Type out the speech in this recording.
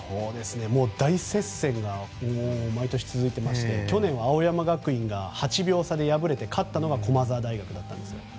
大接戦が毎年続いていて去年は青山学院が８秒差で敗れて勝ったのが駒澤大学なんです。